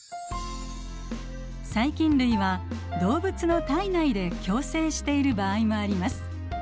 細菌類は動物の体内で共生している場合もあります。